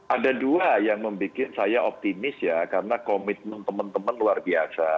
ada dua yang membuat saya optimis ya karena komitmen teman teman luar biasa